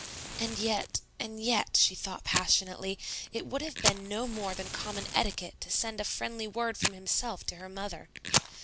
And yet, and yet, she thought passionately, it would have been no more than common etiquette to send a friendly word from himself to her mother.